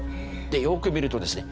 でよく見るとですね